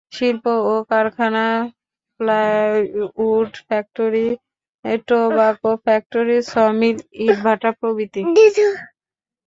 শিল্প ও কলকারখানা plywood factory, tobacco factory, sawmill, ইটভাটা প্রভৃতি।